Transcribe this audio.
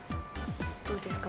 どうですか？